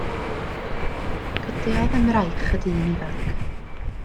Cydiodd ym mraich y dyn ifanc.